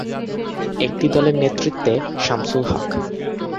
একটি দলের নেতৃত্বে শামসুল হক।